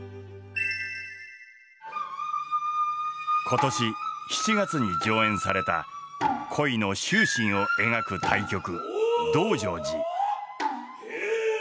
今年７月に上演された恋の執心を描く大曲「道成寺」。